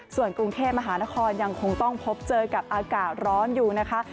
ส่วนกรุงเทพมหานครยังคงต้องพบเจอกับอากาศร้อนอยู่นะคะ